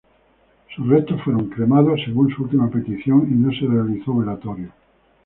Sus restos fueron cremados, según su última petición y no se realizó velatorio.